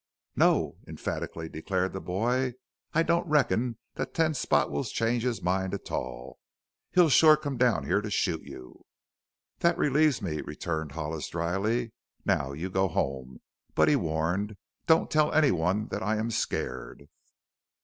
"No!" emphatically declared the boy. "I don't reckon that Ten Spot will change his mind a tall. He'll sure come down here to shoot you!" "That relieves me," returned Hollis dryly. "Now you go home. But," he warned, "don't tell anyone that I am scared."